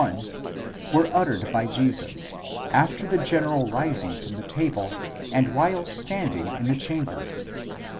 1 were uttered by Jesus after the general rising from table, and while standing in the chamber.